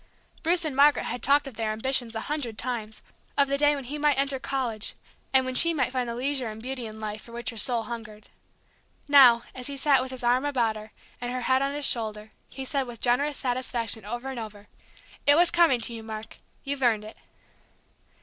Bruce and Margaret had talked of their ambitions a hundred times: of the day when he might enter college and when she might find the leisure and beauty in life for which her soul hungered. Now, as he sat with his arm about her, and her head on his shoulder, he said with generous satisfaction over and over: "It was coming to you, Mark; you've earned it!"